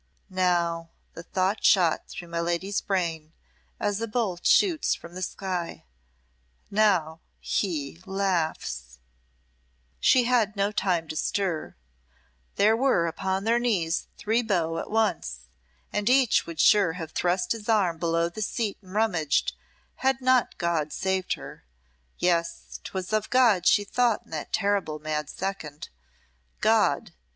"Now," the thought shot through my lady's brain, as a bolt shoots from the sky "now he laughs!" She had no time to stir there were upon their knees three beaux at once, and each would sure have thrust his arm below the seat and rummaged, had not God saved her! Yes, 'twas of God she thought in that terrible mad second God!